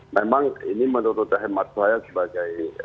memang ini menurut hemat saya sebagai